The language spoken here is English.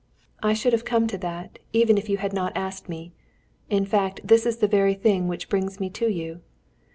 "I should have come to that, even if you had not asked me. In fact, this is the very thing which brings me to you.